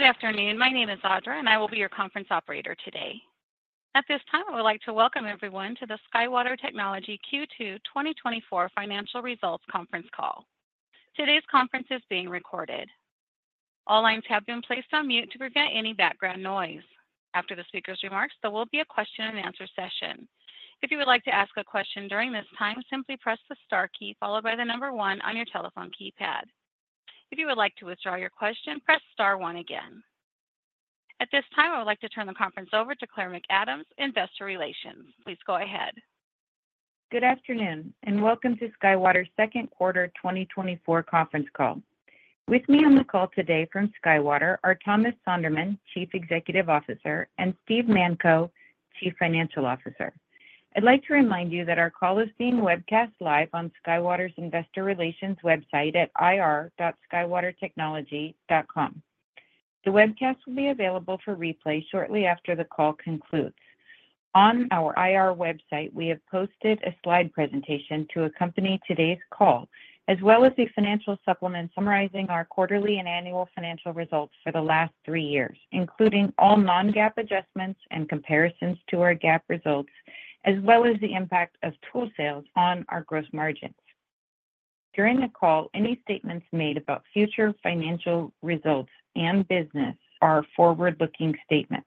Good afternoon. My name is Audra, and I will be your conference operator today. At this time, I would like to welcome everyone to the SkyWater Technology Q2 2024 financial results conference call. Today's conference is being recorded. All lines have been placed on mute to prevent any background noise. After the speaker's remarks, there will be a question-and-answer session. If you would like to ask a question during this time, simply press the star key followed by the number one on your telephone keypad. If you would like to withdraw your question, press star one again. At this time, I would like to turn the conference over to Claire McAdams, Investor Relations. Please go ahead. Good afternoon, and welcome to SkyWater's second quarter 2024 conference call. With me on the call today from SkyWater are Thomas Sonderman, Chief Executive Officer, and Steve Manko, Chief Financial Officer. I'd like to remind you that our call is being webcast live on SkyWater's Investor Relations website at ir.skywatertechnology.com. The webcast will be available for replay shortly after the call concludes. On our IR website, we have posted a slide presentation to accompany today's call, as well as the financial supplement summarizing our quarterly and annual financial results for the last three years, including all non-GAAP adjustments and comparisons to our GAAP results, as well as the impact of tool sales on our gross margins. During the call, any statements made about future financial results and business are forward-looking statements.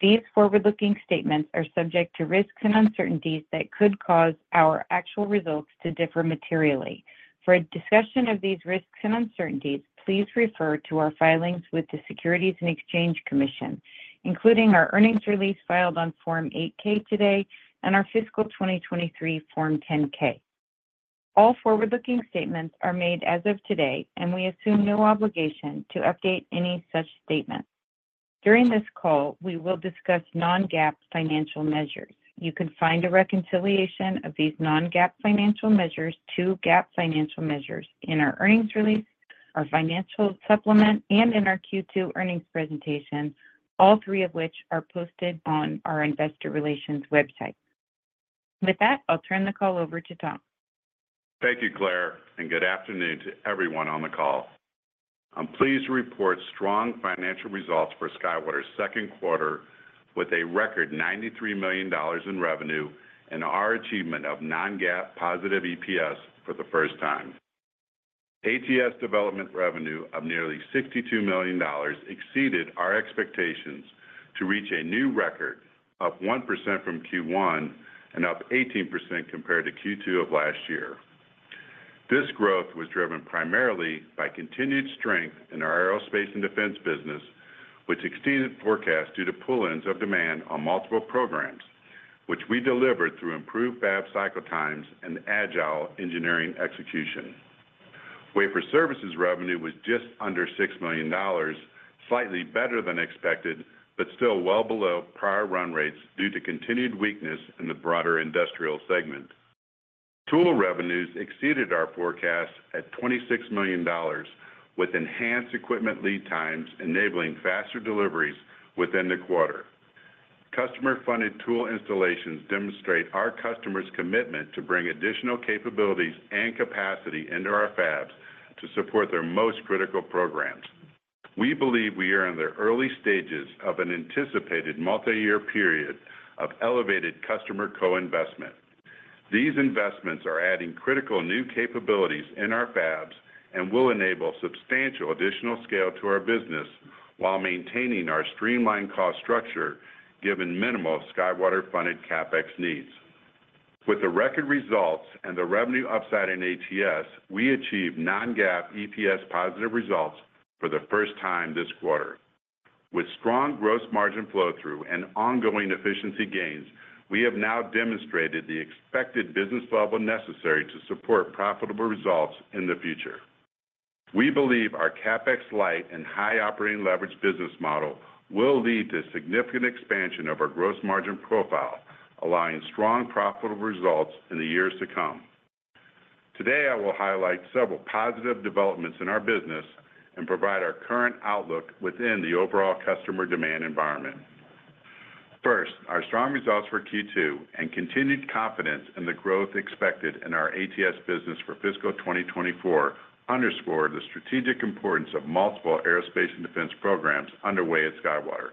These forward-looking statements are subject to risks and uncertainties that could cause our actual results to differ materially. For a discussion of these risks and uncertainties, please refer to our filings with the Securities and Exchange Commission, including our earnings release filed on Form 8-K today and our fiscal 2023 Form 10-K. All forward-looking statements are made as of today, and we assume no obligation to update any such statements. During this call, we will discuss non-GAAP financial measures. You can find a reconciliation of these non-GAAP financial measures to GAAP financial measures in our earnings release, our financial supplement, and in our Q2 earnings presentation, all three of which are posted on our investor relations website. With that, I'll turn the call over to Tom. Thank you, Claire, and good afternoon to everyone on the call. I'm pleased to report strong financial results for SkyWater's second quarter, with a record $93 million in revenue and our achievement of non-GAAP positive EPS for the first time. ATS development revenue of nearly $62 million exceeded our expectations to reach a new record, up 1% from Q1 and up 18% compared to Q2 of last year. This growth was driven primarily by continued strength in our aerospace and defense business, which exceeded forecasts due to pull-ins of demand on multiple programs, which we delivered through improved fab cycle times and agile engineering execution. Wafer services revenue was just under $6 million, slightly better than expected, but still well below prior run rates due to continued weakness in the broader industrial segment. Tool revenues exceeded our forecast at $26 million, with enhanced equipment lead times enabling faster deliveries within the quarter. Customer-funded tool installations demonstrate our customers' commitment to bring additional capabilities and capacity into our fabs to support their most critical programs. We believe we are in the early stages of an anticipated multi-year period of elevated customer co-investment. These investments are adding critical new capabilities in our fabs and will enable substantial additional scale to our business while maintaining our streamlined cost structure, given minimal SkyWater-funded CapEx needs. With the record results and the revenue upside in ATS, we achieved non-GAAP EPS positive results for the first time this quarter. With strong gross margin flow-through and ongoing efficiency gains, we have now demonstrated the expected business level necessary to support profitable results in the future. We believe our CapEx light and high operating leverage business model will lead to significant expansion of our gross margin profile, allowing strong, profitable results in the years to come. Today, I will highlight several positive developments in our business and provide our current outlook within the overall customer demand environment. First, our strong results for Q2 and continued confidence in the growth expected in our ATS business for fiscal 2024 underscore the strategic importance of multiple aerospace and defense programs underway at SkyWater.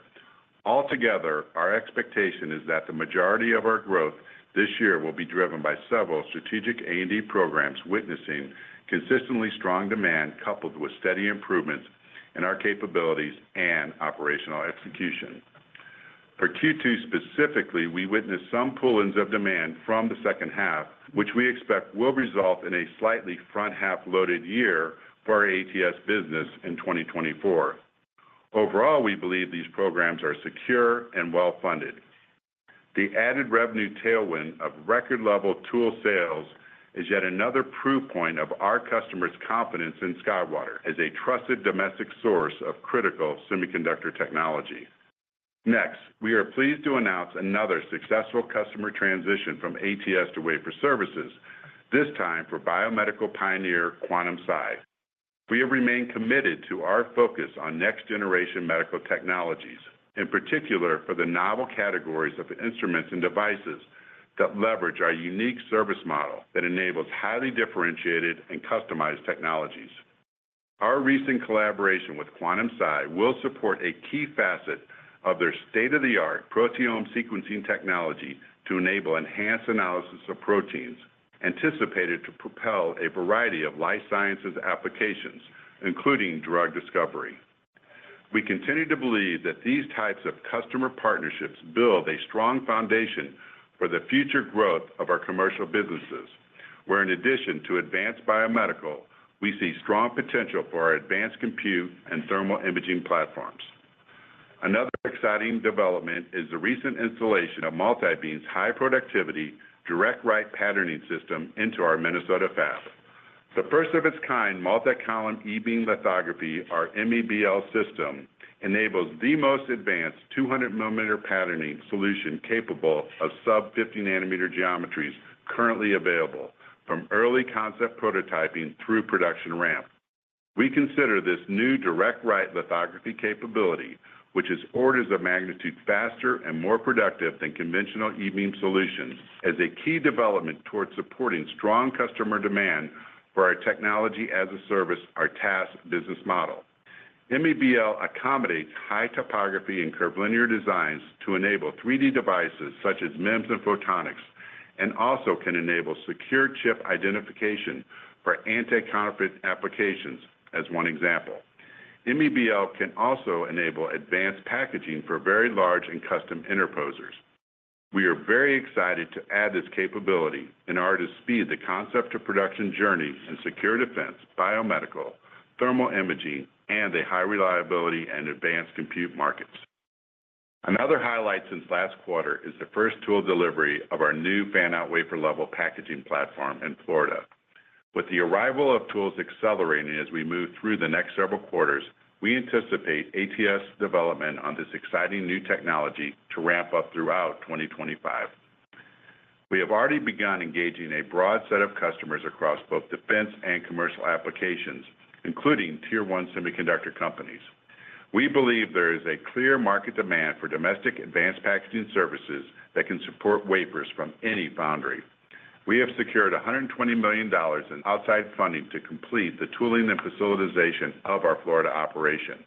Altogether, our expectation is that the majority of our growth this year will be driven by several strategic A&D programs, witnessing consistently strong demand coupled with steady improvements in our capabilities and operational execution. For Q2 specifically, we witnessed some pull-ins of demand from the second half, which we expect will result in a slightly front-half-loaded year for our ATS business in 2024. Overall, we believe these programs are secure and well-funded. The added revenue tailwind of record-level tool sales is yet another proof point of our customers' confidence in SkyWater as a trusted domestic source of critical semiconductor technology. Next, we are pleased to announce another successful customer transition from ATS to Wafer Services, this time for biomedical pioneer, Quantum-Si. We have remained committed to our focus on next-generation medical technologies, in particular for the novel categories of instruments and devices that leverage our unique service model that enables highly differentiated and customized technologies. Our recent collaboration with Quantum-Si will support a key facet of their state-of-the-art proteome sequencing technology to enable enhanced analysis of proteins, anticipated to propel a variety of life sciences applications, including drug discovery. We continue to believe that these types of customer partnerships build a strong foundation for the future growth of our commercial businesses, where in addition to advanced biomedical, we see strong potential for our advanced compute and thermal imaging platforms. Another exciting development is the recent installation of Multibeam's high-productivity, direct-write patterning system into our Minnesota fab. The first of its kind multi-column E-beam lithography, our MEBL system, enables the most advanced 200-millimeter patterning solution capable of sub 50-nanometer geometries currently available, from early concept prototyping through production ramp. We consider this new direct-write lithography capability, which is orders of magnitude faster and more productive than conventional E-beam solutions, as a key development towards supporting strong customer demand for our Technology as a Service, our TaaS business model. MEBL accommodates high topography and curvilinear designs to enable 3D devices such as MEMS and photonics, and also can enable secure chip identification for anti-counterfeit applications, as one example. MEBL can also enable advanced packaging for very large and custom interposers. We are very excited to add this capability in order to speed the concept-to-production journey in secure defense, biomedical, thermal imaging, and a high reliability and advanced compute markets. Another highlight since last quarter is the first tool delivery of our new fan-out wafer level packaging platform in Florida. With the arrival of tools accelerating as we move through the next several quarters, we anticipate ATS development on this exciting new technology to ramp up throughout 2025. We have already begun engaging a broad set of customers across both defense and commercial applications, including Tier One semiconductor companies. We believe there is a clear market demand for domestic advanced packaging services that can support wafers from any foundry. We have secured $120 million in outside funding to complete the tooling and facilitization of our Florida operation.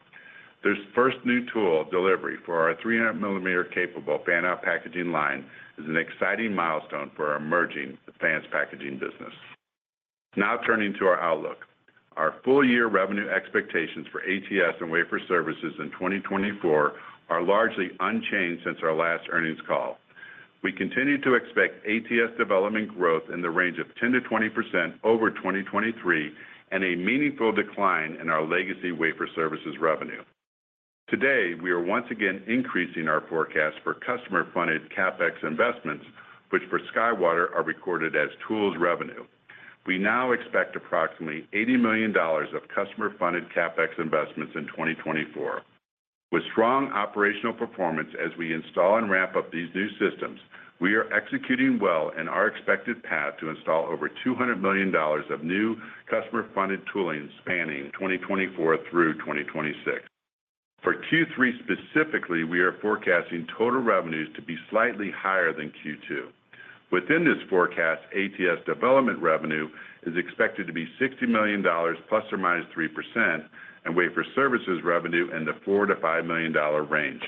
This first new tool delivery for our 300-millimeter-capable fan-out packaging line is an exciting milestone for our emerging advanced packaging business. Now, turning to our outlook. Our full-year revenue expectations for ATS and wafer services in 2024 are largely unchanged since our last earnings call. We continue to expect ATS development growth in the range of 10%-20% over 2023, and a meaningful decline in our legacy wafer services revenue. Today, we are once again increasing our forecast for customer-funded CapEx investments, which for SkyWater, are recorded as tools revenue. We now expect approximately $80 million of customer-funded CapEx investments in 2024. With strong operational performance as we install and ramp up these new systems, we are executing well in our expected path to install over $200 million of new customer-funded tooling spanning 2024 through 2026. For Q3 specifically, we are forecasting total revenues to be slightly higher than Q2. Within this forecast, ATS development revenue is expected to be $60 million, ±3%, and wafer services revenue in the $4 million-$5 million range.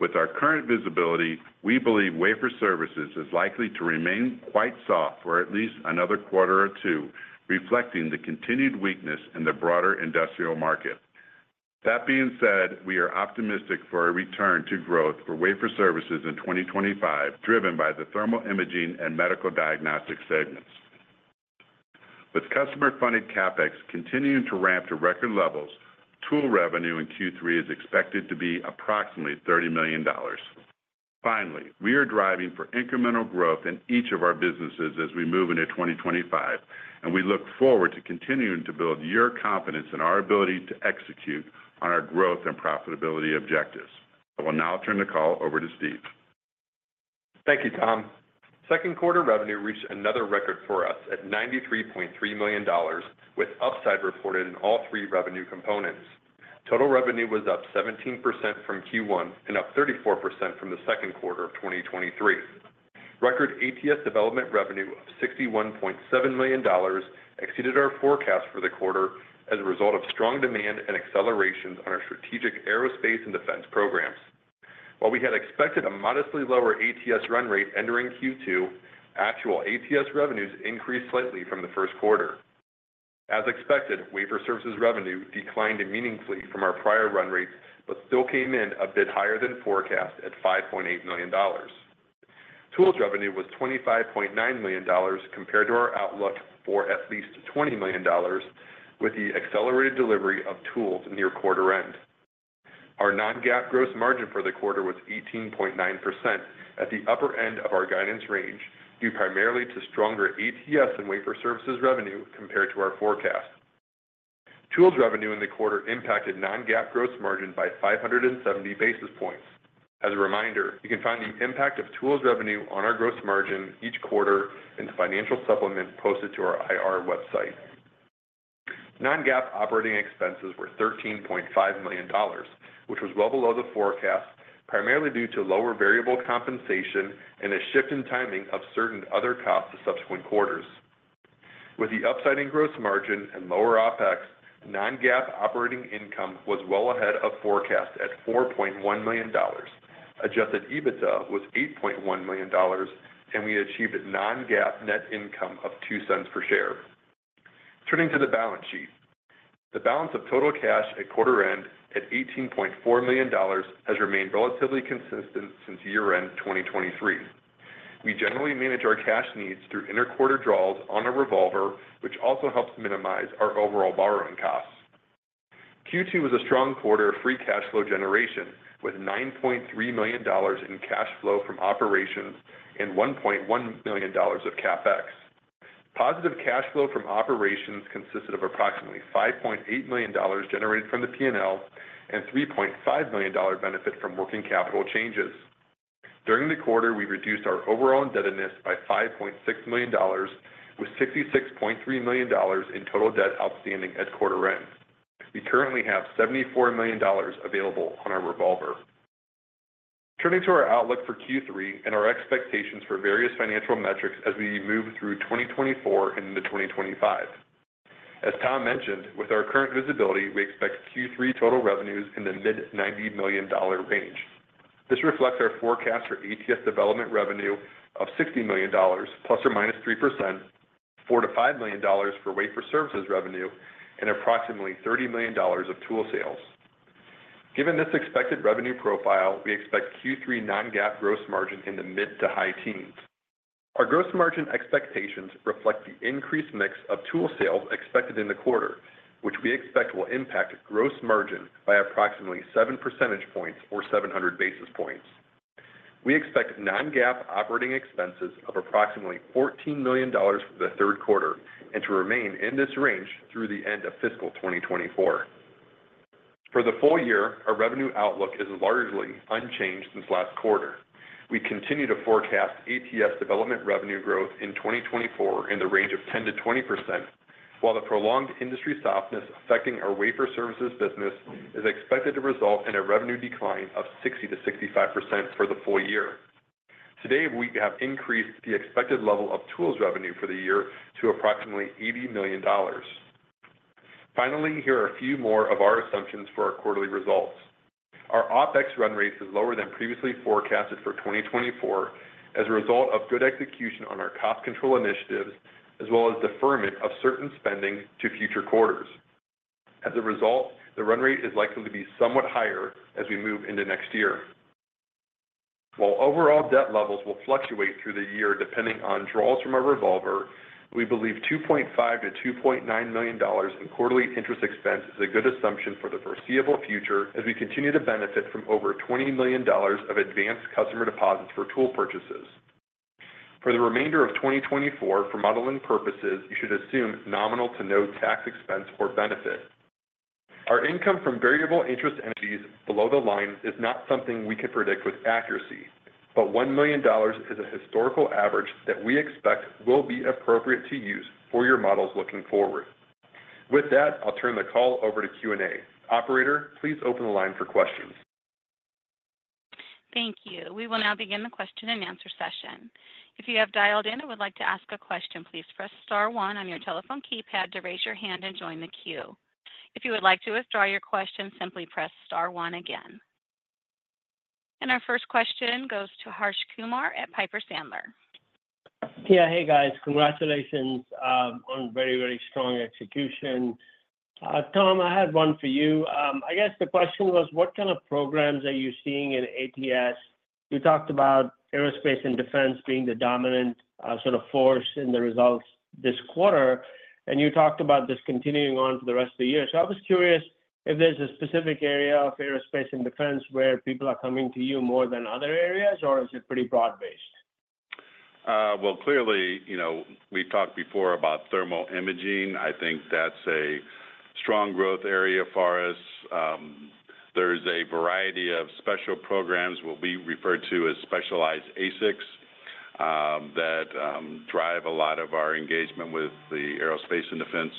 With our current visibility, we believe wafer services is likely to remain quite soft for at least another quarter or two, reflecting the continued weakness in the broader industrial market. That being said, we are optimistic for a return to growth for wafer services in 2025, driven by the thermal imaging and medical diagnostics segments. With customer-funded CapEx continuing to ramp to record levels, tool revenue in Q3 is expected to be approximately $30 million. Finally, we are driving for incremental growth in each of our businesses as we move into 2025, and we look forward to continuing to build your confidence in our ability to execute on our growth and profitability objectives. I will now turn the call over to Steve. Thank you, Tom. Second quarter revenue reached another record for us at $93.3 million, with upside reported in all three revenue components. Total revenue was up 17% from Q1, and up 34% from the second quarter of 2023. Record ATS development revenue of $61.7 million exceeded our forecast for the quarter as a result of strong demand and accelerations on our strategic aerospace and defense programs. While we had expected a modestly lower ATS run rate entering Q2, actual ATS revenues increased slightly from the first quarter. As expected, wafer services revenue declined meaningfully from our prior run rates, but still came in a bit higher than forecast at $5.8 million. Tools revenue was $25.9 million compared to our outlook for at least $20 million, with the accelerated delivery of tools near quarter end. Our non-GAAP gross margin for the quarter was 18.9%, at the upper end of our guidance range, due primarily to stronger ATS and wafer services revenue compared to our forecast. Tools revenue in the quarter impacted non-GAAP gross margin by 570 basis points. As a reminder, you can find the impact of tools revenue on our gross margin each quarter in the financial supplement posted to our IR website. Non-GAAP operating expenses were $13.5 million, which was well below the forecast, primarily due to lower variable compensation and a shift in timing of certain other costs to subsequent quarters. With the upside in gross margin and lower OpEx, non-GAAP operating income was well ahead of forecast at $4.1 million. Adjusted EBITDA was $8.1 million, and we achieved a non-GAAP net income of $0.02 per share. Turning to the balance sheet. The balance of total cash at quarter end, at $18.4 million, has remained relatively consistent since year-end 2023. We generally manage our cash needs through inter-quarter draws on a revolver, which also helps minimize our overall borrowing costs. Q2 was a strong quarter of free cash flow generation, with $9.3 million in cash flow from operations and $1.1 million of CapEx. Positive cash flow from operations consisted of approximately $5.8 million generated from the P&L and $3.5 million dollar benefit from working capital changes. During the quarter, we reduced our overall indebtedness by $5.6 million, with $66.3 million in total debt outstanding at quarter end. We currently have $74 million available on our revolver. Turning to our outlook for Q3 and our expectations for various financial metrics as we move through 2024 into 2025. As Tom mentioned, with our current visibility, we expect Q3 total revenues in the mid-$90 million range. This reflects our forecast for ATS development revenue of $60 million, ±3%, $4 million-$5 million for wafer services revenue, and approximately $30 million of tool sales. Given this expected revenue profile, we expect Q3 non-GAAP gross margin in the mid- to high teens%. Our gross margin expectations reflect the increased mix of tool sales expected in the quarter, which we expect will impact gross margin by approximately 7 percentage points or 700 basis points. We expect non-GAAP operating expenses of approximately $14 million for the third quarter and to remain in this range through the end of fiscal 2024. For the full year, our revenue outlook is largely unchanged since last quarter. We continue to forecast ATS development revenue growth in 2024 in the range of 10%-20%, while the prolonged industry softness affecting our wafer services business is expected to result in a revenue decline of 60%-65% for the full year. Today, we have increased the expected level of tools revenue for the year to approximately $80 million. Finally, here are a few more of our assumptions for our quarterly results. Our OpEx run rate is lower than previously forecasted for 2024 as a result of good execution on our cost control initiatives, as well as deferment of certain spending to future quarters. As a result, the run rate is likely to be somewhat higher as we move into next year. While overall debt levels will fluctuate through the year, depending on draws from our revolver, we believe $2.5 million-$2.9 million in quarterly interest expense is a good assumption for the foreseeable future, as we continue to benefit from over $20 million of advanced customer deposits for tool purchases. For the remainder of 2024, for modeling purposes, you should assume nominal to no tax expense or benefit. Our income from variable interest entities below the line is not something we can predict with accuracy, but $1 million is a historical average that we expect will be appropriate to use for your models looking forward. With that, I'll turn the call over to Q&A. Operator, please open the line for questions. Thank you. We will now begin the question and answer session. If you have dialed in and would like to ask a question, please press star one on your telephone keypad to raise your hand and join the queue. If you would like to withdraw your question, simply press star one again. Our first question goes to Harsh Kumar at Piper Sandler. Yeah. Hey, guys. Congratulations on very, very strong execution. Tom, I had one for you. I guess the question was, what kind of programs are you seeing in ATS? You talked about aerospace and defense being the dominant sort of force in the results this quarter, and you talked about this continuing on for the rest of the year. So I was curious if there's a specific area of aerospace and defense where people are coming to you more than other areas, or is it pretty broad-based? Well, clearly, you know, we've talked before about thermal imaging. I think that's a strong growth area as far as there's a variety of special programs, what we refer to as specialized ASICs, that drive a lot of our engagement with the aerospace and defense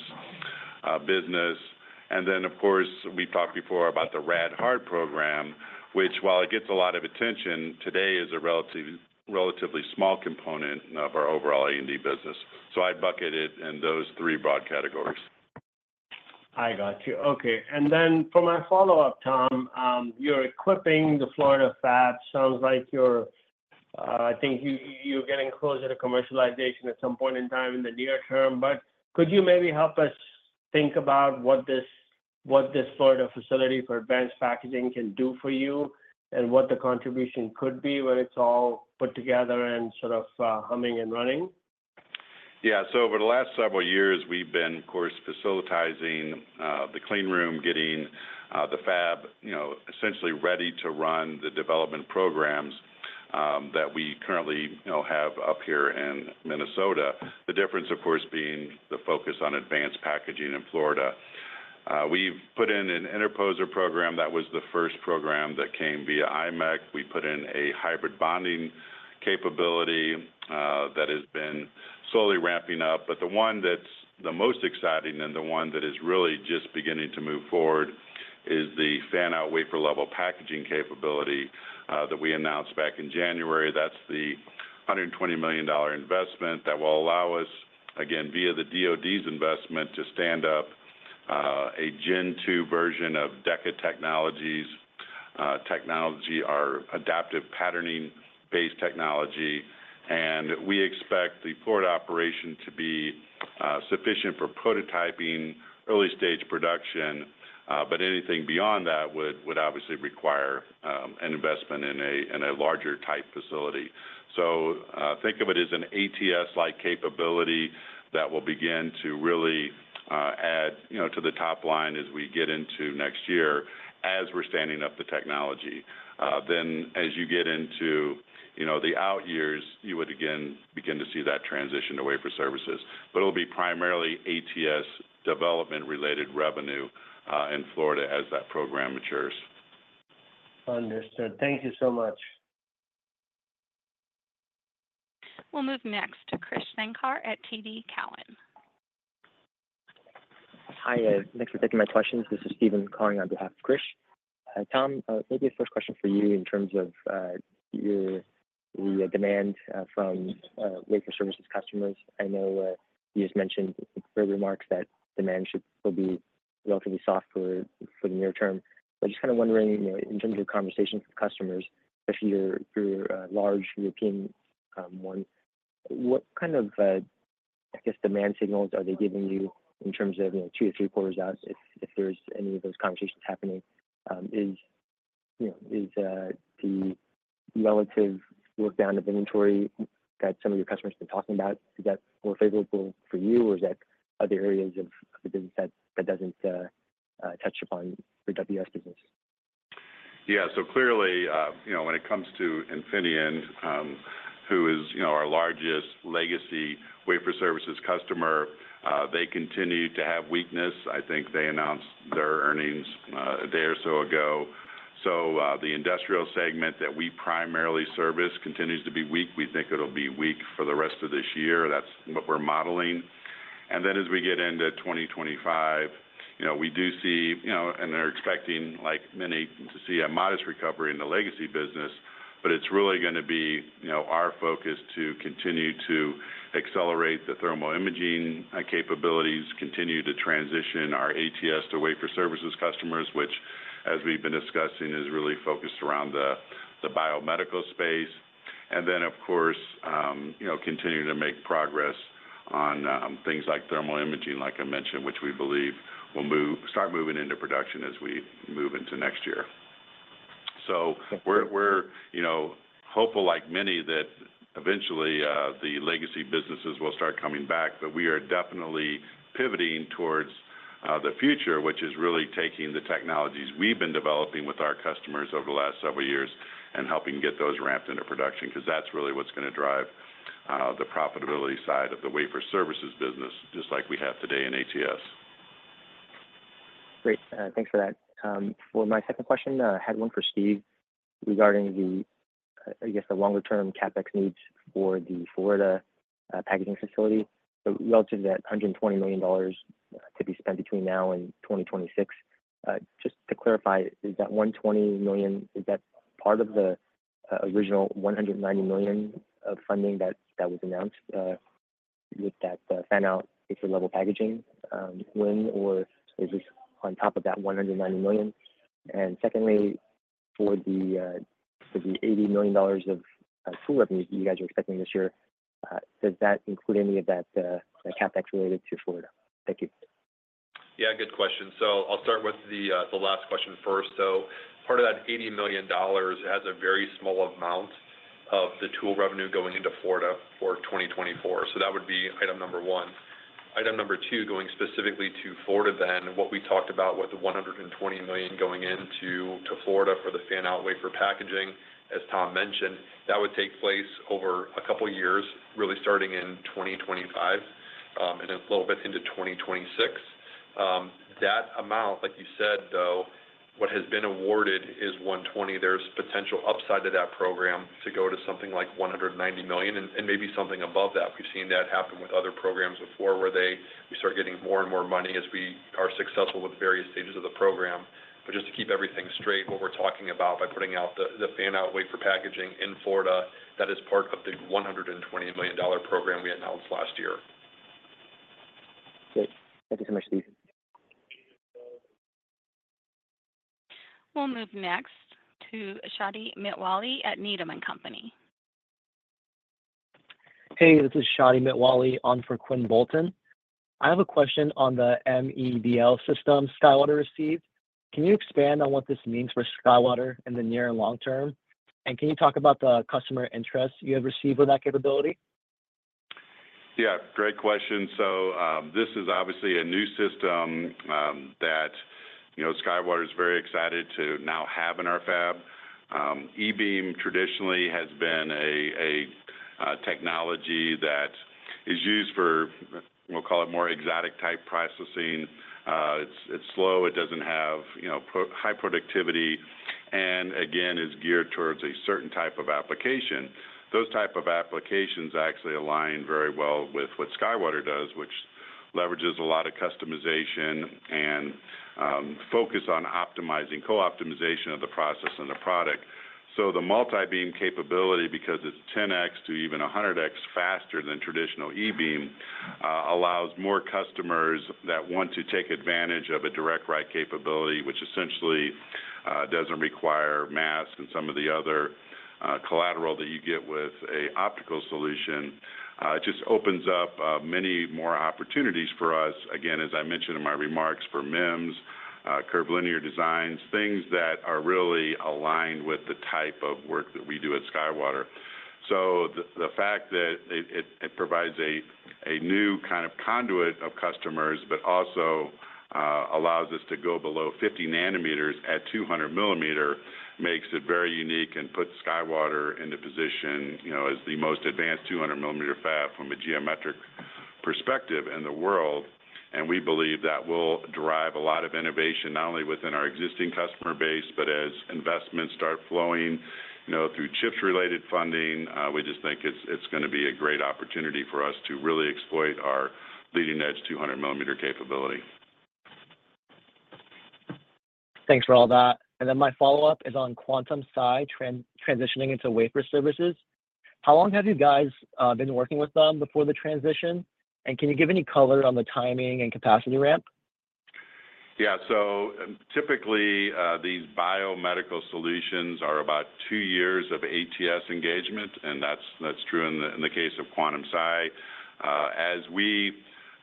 business. And then, of course, we talked before about the Rad-Hard program, which, while it gets a lot of attention, today is a relatively small component of our overall A&D business. So I'd bucket it in those three broad categories. I got you. Okay, and then for my follow-up, Tom, you're equipping the Florida fab. Sounds like you're, I think you're getting closer to commercialization at some point in time in the near term. But could you maybe help us think about what this Florida Facility for Advanced Packaging can do for you? And what the contribution could be when it's all put together and sort of humming and running? Yeah. So over the last several years, we've been, of course, facilitizing the clean room, getting the fab, you know, essentially ready to run the development programs that we currently, you know, have up here in Minnesota. The difference, of course, being the focus on advanced packaging in Florida. ... We've put in an interposer program that was the first program that came via imec. We put in a hybrid bonding capability, that has been slowly ramping up. But the one that's the most exciting and the one that is really just beginning to move forward is the fan-out wafer level packaging capability, that we announced back in January. That's the $120 million investment that will allow us, again, via the DOD's investment, to stand up, a gen two version of Deca Technologies, technology, our Adaptive Patterning-based technology. And we expect the port operation to be, sufficient for prototyping, early stage production, but anything beyond that would, would obviously require, an investment in a, in a larger type facility. So, think of it as an ATS-like capability that will begin to really, add, you know, to the top line as we get into next year, as we're standing up the technology. Then as you get into, you know, the out years, you would again begin to see that transition to wafer services. But it'll be primarily ATS development-related revenue, in Florida as that program matures. Understood. Thank you so much. We'll move next to Krish Sankar at TD Cowen. Hi, thanks for taking my questions. This is Steven calling on behalf of Krish. Tom, maybe a first question for you in terms of your, the demand from wafer services customers. I know, you just mentioned in your remarks that demand should--will be relatively soft for the near term. But just kind of wondering, you know, in terms of conversations with customers, especially your, your large European one, what kind of, I guess, demand signals are they giving you in terms of, you know, two to three quarters out, if there's any of those conversations happening? You know, is the relative work down of inventory that some of your customers have been talking about more favorable for you, or is that other areas of the business that doesn't touch upon the WS business? Yeah. So clearly, you know, when it comes to Infineon, who is, you know, our largest legacy wafer services customer, they continue to have weakness. I think they announced their earnings, a day or so ago. So, the industrial segment that we primarily service continues to be weak. We think it'll be weak for the rest of this year. That's what we're modeling. And then as we get into 2025, you know, we do see, you know, and are expecting, like many, to see a modest recovery in the legacy business. But it's really gonna be, you know, our focus to continue to accelerate the thermal imaging, capabilities, continue to transition our ATS to wafer services customers, which, as we've been discussing, is really focused around the, the biomedical space. Then, of course, you know, continuing to make progress on things like thermal imaging, like I mentioned, which we believe will start moving into production as we move into next year. So we're, you know, hopeful, like many, that eventually the legacy businesses will start coming back. But we are definitely pivoting towards the future, which is really taking the technologies we've been developing with our customers over the last several years and helping get those ramped into production, 'cause that's really what's gonna drive the profitability side of the wafer services business, just like we have today in ATS. Great. Thanks for that. Well, my second question, I had one for Steve regarding the, I guess, the longer term CapEx needs for the Florida, packaging facility. So relative to that $120 million to be spent between now and 2026, just to clarify, is that $120 million, is that part of the, original $190 million of funding that, that was announced, with that fan-out wafer level packaging? Or is this on top of that $190 million? And secondly, for the, for the $80 million of, tool revenue that you guys are expecting this year, does that include any of that, the CapEx related to Florida? Thank you. Yeah, good question. So I'll start with the last question first. So part of that $80 million has a very small amount of the tool revenue going into Florida for 2024. So that would be item number one. Item number two, going specifically to Florida then, what we talked about, with the $120 million going into to Florida for the fan-out wafer packaging, as Tom mentioned, that would take place over a couple of years, really starting in 2025, and then a little bit into 2026. That amount, like you said, though, what has been awarded is $120. There's potential upside to that program to go to something like $190 million and, and maybe something above that. We've seen that happen with other programs before, where they, we start getting more and more money as we are successful with various stages of the program. But just to keep everything straight, what we're talking about by putting out the fan-out wafer packaging in Florida, that is part of the $120 million program we announced last year. Great. Thank you so much, Steve. We'll move next to Shadi Mitwalli at Needham & Company. Hey, this is Shadi Mitwali on for Quinn Bolton. I have a question on the MEBL system SkyWater received. Can you expand on what this means for SkyWater in the near and long term? And can you talk about the customer interest you have received with that capability? Yeah, great question. So, this is obviously a new system. You know, SkyWater is very excited to now have in our fab. E-beam traditionally has been a technology that is used for, we'll call it more exotic type processing. It's slow, it doesn't have, you know, high productivity, and again, is geared towards a certain type of application. Those type of applications actually align very well with what SkyWater does, which leverages a lot of customization and focus on optimizing, co-optimization of the process and the product. So the multi-beam capability, because it's 10x to even 100x faster than traditional e-beam, allows more customers that want to take advantage of a direct write capability, which essentially doesn't require mask and some of the other collateral that you get with an optical solution. It just opens up many more opportunities for us, again, as I mentioned in my remarks, for MEMS, curvilinear designs, things that are really aligned with the type of work that we do at SkyWater. So the fact that it provides a new kind of conduit of customers, but also allows us to go below 50 nanometers at 200 millimeter, makes it very unique and puts SkyWater into position, you know, as the most advanced 200 millimeter fab from a geometric perspective in the world. And we believe that will drive a lot of innovation, not only within our existing customer base, but as investments start flowing, you know, through CHIPS-related funding, we just think it's gonna be a great opportunity for us to really exploit our leading-edge 200 millimeter capability. Thanks for all that. And then my follow-up is on Quantum-Si transitioning into Wafer Services. How long have you guys been working with them before the transition? And can you give any color on the timing and capacity ramp? Yeah. So, typically, these biomedical solutions are about two years of ATS engagement, and that's, that's true in the case of Quantum-Si. As we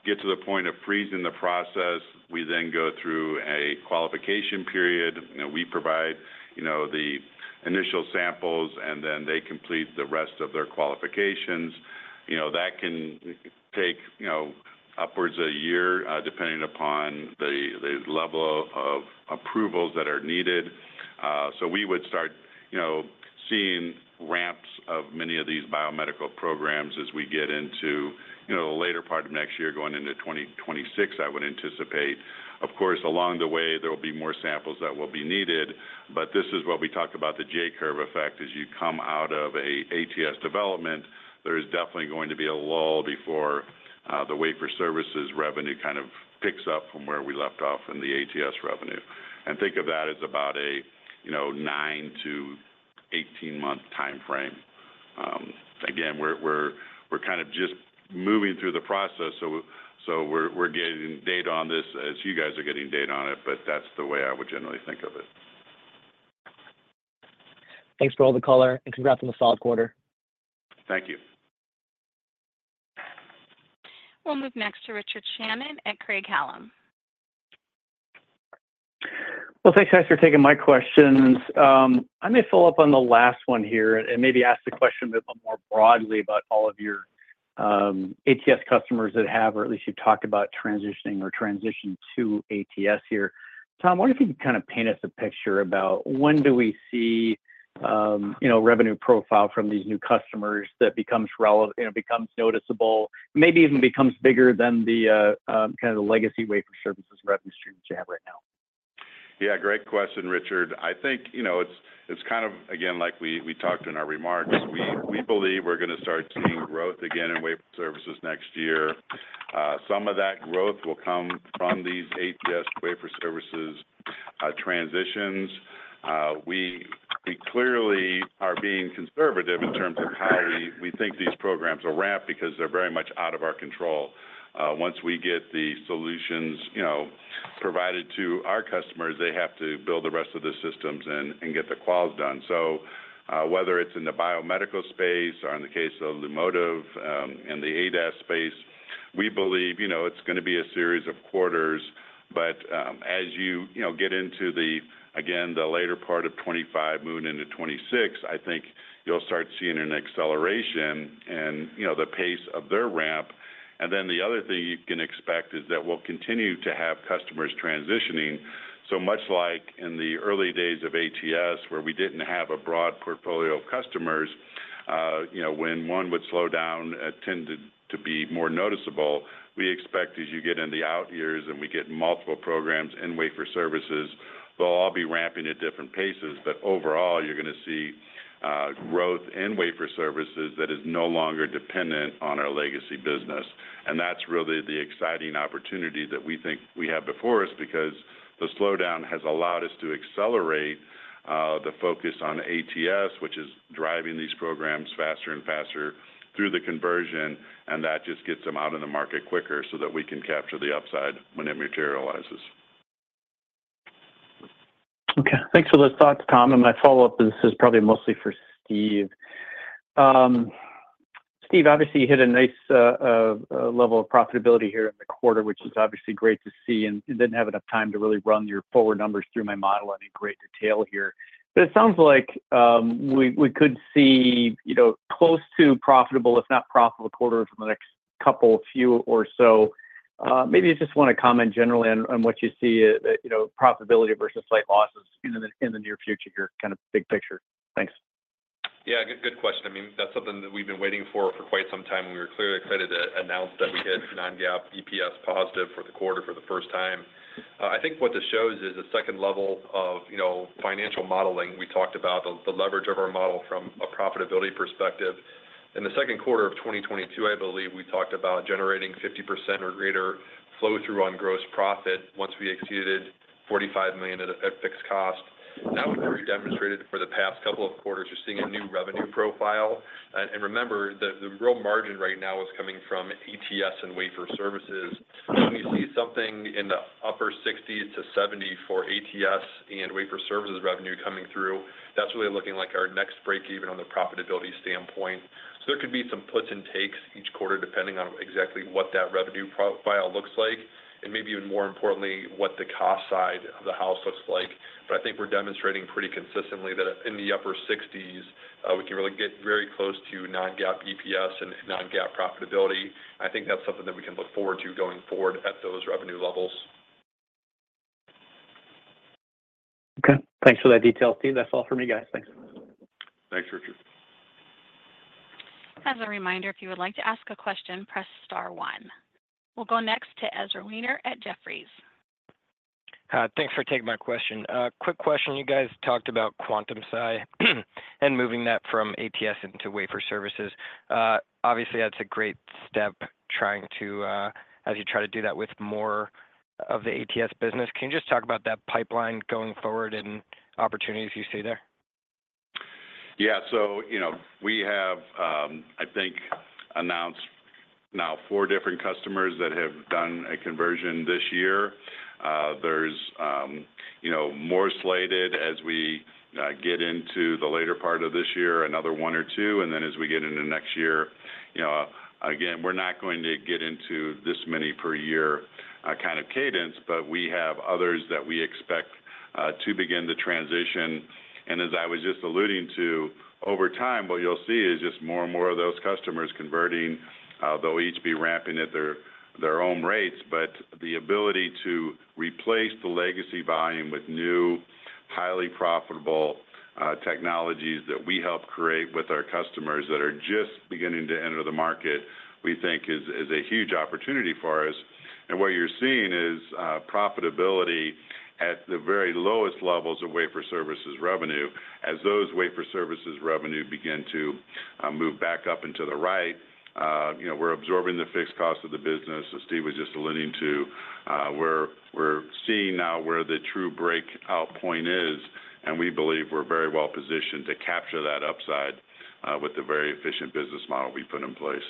get to the point of freezing the process, we then go through a qualification period. You know, we provide the initial samples, and then they complete the rest of their qualifications. You know, that can take upwards of a year, depending upon the level of approvals that are needed. So we would start seeing ramps of many of these biomedical programs as we get into the later part of next year, going into 2026, I would anticipate. Of course, along the way, there will be more samples that will be needed, but this is what we talked about, the J-curve effect. As you come out of an ATS development, there is definitely going to be a lull before the Wafer Services revenue kind of picks up from where we left off in the ATS revenue. Think of that as about a, you know, 9-18-month time frame. Again, we're kind of just moving through the process, so we're getting data on this as you guys are getting data on it, but that's the way I would generally think of it. Thanks for all the color, and congrats on the solid quarter. Thank you. We'll move next to Richard Shannon at Craig-Hallum. Well, thanks, guys, for taking my questions. I may follow up on the last one here and maybe ask the question a bit more broadly about all of your ATS customers that have, or at least you've talked about transitioning or transitioned to ATS here. Tom, I wonder if you could kind of paint us a picture about when do we see, you know, revenue profile from these new customers that becomes relevant, you know, becomes noticeable, maybe even becomes bigger than the kind of the legacy wafer services revenue stream that you have right now? Yeah, great question, Richard. I think, you know, it's kind of, again, like we talked in our remarks, we believe we're gonna start seeing growth again in wafer services next year. Some of that growth will come from these ATS wafer services transitions. We clearly are being conservative in terms of how we think these programs will ramp because they're very much out of our control. Once we get the solutions, you know, provided to our customers, they have to build the rest of the systems and get the quals done. So, whether it's in the biomedical space or in the case of Lumotive, in the ADAS space, we believe, you know, it's gonna be a series of quarters. But as you, you know, get into the, again, the later part of 2025, moving into 2026, I think you'll start seeing an acceleration and, you know, the pace of their ramp. And then the other thing you can expect is that we'll continue to have customers transitioning. So much like in the early days of ATS, where we didn't have a broad portfolio of customers, you know, when one would slow down, it tended to be more noticeable. We expect as you get in the out years and we get multiple programs in Wafer Services, they'll all be ramping at different paces, but overall, you're gonna see growth in Wafer Services that is no longer dependent on our legacy business. That's really the exciting opportunity that we think we have before us because the slowdown has allowed us to accelerate the focus on ATS, which is driving these programs faster and faster through the conversion, and that just gets them out in the market quicker so that we can capture the upside when it materializes. Okay, thanks for those thoughts, Tom. And my follow-up, this is probably mostly for Steve. Steve, obviously, you hit a nice level of profitability here in the quarter, which is obviously great to see, and I didn't have enough time to really run your forward numbers through my model in any great detail here. But it sounds like we could see, you know, close to profitable, if not profitable, quarter from the next couple, few or so. Maybe you just want to comment generally on what you see, you know, profitability versus slight losses in the near future here, kind of big picture. Thanks.... Yeah, good, good question. I mean, that's something that we've been waiting for for quite some time, and we were clearly excited to announce that we hit non-GAAP EPS positive for the quarter for the first time. I think what this shows is the second level of, you know, financial modeling. We talked about the, the leverage of our model from a profitability perspective. In the second quarter of 2022, I believe we talked about generating 50% or greater flow-through on gross profit once we exceeded $45 million at, at fixed cost. That was very demonstrated for the past couple of quarters. You're seeing a new revenue profile. And, and remember, the, the real margin right now is coming from ATS and wafer services. When you see something in the upper 60s to 70 for ATS and wafer services revenue coming through, that's really looking like our next break even on the profitability standpoint. So there could be some puts and takes each quarter, depending on exactly what that revenue profile looks like, and maybe even more importantly, what the cost side of the house looks like. But I think we're demonstrating pretty consistently that in the upper 60s, we can really get very close to non-GAAP EPS and non-GAAP profitability. I think that's something that we can look forward to going forward at those revenue levels. Okay. Thanks for that detail, Steve. That's all for me, guys. Thanks. Thanks, Richard. As a reminder, if you would like to ask a question, press star one. We'll go next to Ezra Weiner at Jefferies. Thanks for taking my question. Quick question. You guys talked about Quantum-Si, and moving that from ATS into Wafer Services. Obviously, that's a great step, trying to, as you try to do that with more of the ATS business. Can you just talk about that pipeline going forward and opportunities you see there? Yeah. So, you know, we have, I think, announced now four different customers that have done a conversion this year. There's, you know, more slated as we get into the later part of this year, another one or two, and then as we get into next year. You know, again, we're not going to get into this many per year, kind of cadence, but we have others that we expect to begin the transition. And as I was just alluding to, over time, what you'll see is just more and more of those customers converting, they'll each be ramping at their, their own rates. But the ability to replace the legacy volume with new, highly profitable, technologies that we help create with our customers that are just beginning to enter the market, we think is, is a huge opportunity for us. And what you're seeing is profitability at the very lowest levels of wafer services revenue. As those wafer services revenue begin to move back up and to the right, you know, we're absorbing the fixed cost of the business, as Steve was just alluding to. We're seeing now where the true breakout point is, and we believe we're very well positioned to capture that upside, with the very efficient business model we've put in place.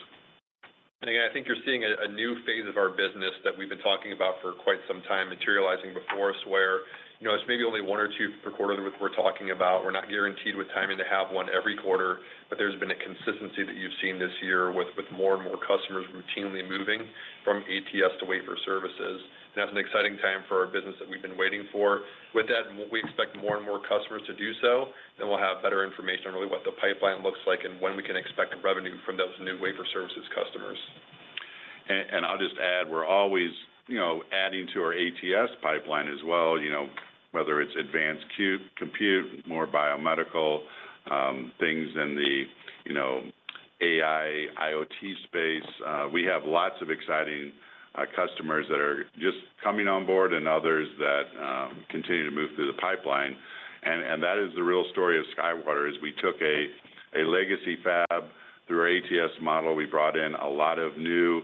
And again, I think you're seeing a, a new phase of our business that we've been talking about for quite some time, materializing before us, where, you know, it's maybe only 1 or 2 per quarter that we're talking about. We're not guaranteed with timing to have 1 every quarter, but there's been a consistency that you've seen this year with, with more and more customers routinely moving from ATS to Wafer Services. And that's an exciting time for our business that we've been waiting for. With that, we expect more and more customers to do so, then we'll have better information on really what the pipeline looks like and when we can expect revenue from those new Wafer Services customers. I'll just add, we're always, you know, adding to our ATS pipeline as well, you know, whether it's advanced compute, more biomedical, things in the, you know, AI, IoT space. We have lots of exciting customers that are just coming on board and others that continue to move through the pipeline. That is the real story of SkyWater, is we took a legacy fab. Through our ATS model, we brought in a lot of new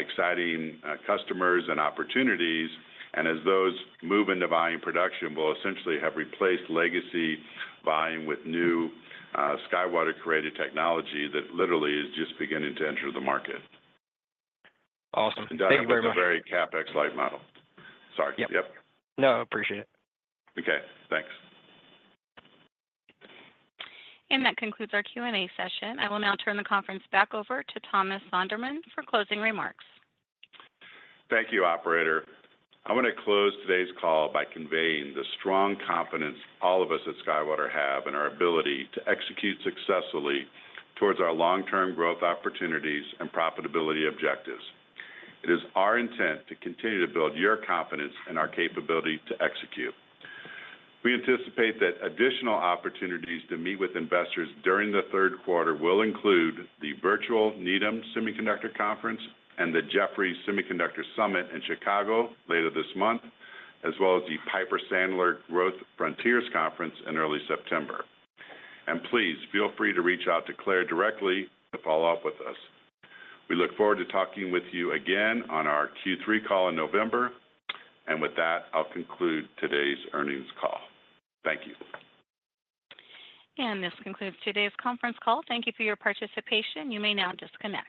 exciting customers and opportunities, and as those move into volume production, we'll essentially have replaced legacy volume with new SkyWater-created technology that literally is just beginning to enter the market. Awesome. Thank you very much. With a very CapEx light model. Sorry. Yep. Yep. No, appreciate it. Okay, thanks. That concludes our Q&A session. I will now turn the conference back over to Thomas Sonderman for closing remarks. Thank you, operator. I want to close today's call by conveying the strong confidence all of us at SkyWater have in our ability to execute successfully towards our long-term growth opportunities and profitability objectives. It is our intent to continue to build your confidence in our capability to execute. We anticipate that additional opportunities to meet with investors during the third quarter will include the Virtual Needham Semiconductor Conference and the Jefferies Semiconductor Summit in Chicago later this month, as well as the Piper Sandler Growth Frontiers Conference in early September. Please, feel free to reach out to Claire directly to follow up with us. We look forward to talking with you again on our Q3 call in November. With that, I'll conclude today's earnings call. Thank you. This concludes today's conference call. Thank you for your participation. You may now disconnect.